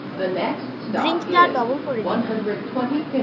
ড্রিঙ্কটা double করে দিন।